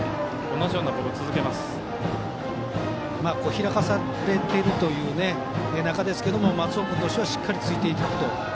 開かされているという中ですけど松尾君としてはしっかりついていくと。